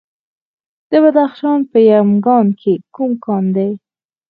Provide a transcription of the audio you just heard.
د بدخشان په یمګان کې کوم کان دی؟